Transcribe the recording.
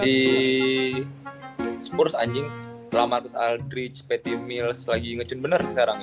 di spurs anjing lamarcus aldridge patty mills lagi nge tune bener sekarang ya